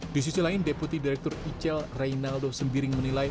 di sisi lain deputi direktur icel reinaldo sembiring menilai